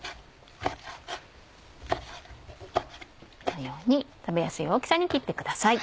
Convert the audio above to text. このように食べやすい大きさに切ってください。